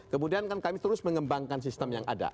kemudian kan kami terus mengembangkan sistem yang ada